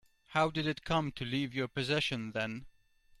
How did it come to leave your possession then?